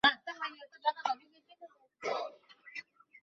অতি দ্রুত সে পাঠশালায় চলে গেল।